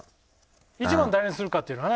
１番誰にするかっていうのはね。